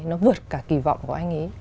nó vượt cả kỳ vọng của anh ấy